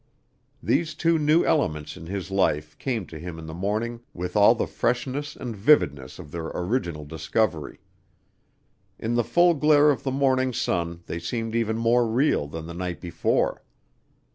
These two new elements in his life came to him in the morning with all the freshness and vividness of their original discovery. In the full glare of the morning sun they seemed even more real than the night before.